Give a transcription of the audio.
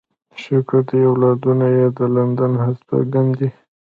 شکر دی اولادونه يې د لندن هستوګن دي.